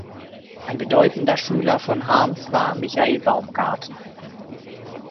Ein bedeutender Schüler von Harms war Michael Baumgarten.